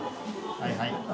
はいはい。